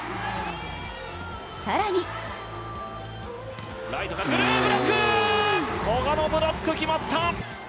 更に古賀のブロック、決まった。